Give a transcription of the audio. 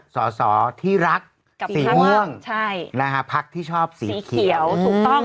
สอสอที่รักสีเมืองใช่นะฮะพักที่ชอบสีเขียวถูกต้อง